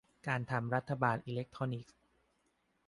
การทำรัฐบาลอิเล็กทรอนิกส์